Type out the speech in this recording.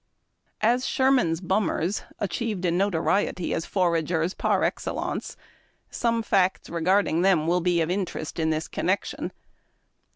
As Sherman's Bummers achieved a notoriety as foragers par excellence, some facts regarding them will be of interest in this connection.